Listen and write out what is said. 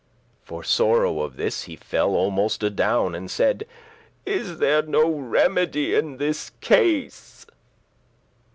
For sorrow of this he fell almost adown, And said; "Is there no remedy in this case?"